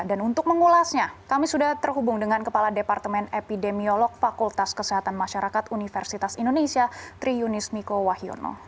dan untuk mengulasnya kami sudah terhubung dengan kepala departemen epidemiolog fakultas kesehatan masyarakat universitas indonesia triunis miko wahyono